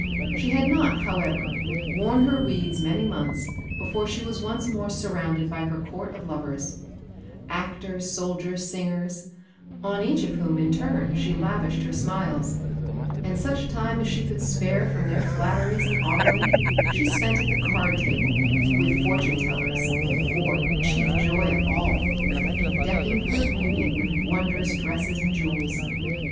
She had not, however, worn her weeds many months before she was once more surrounded by her court of lovers actors, soldiers, singers, on each of whom in turn she lavished her smiles; and such time as she could spare from their flatteries and ogling she spent at the card table, with fortune tellers, or, chief joy of all, in decking her beauty with wondrous dresses and jewels.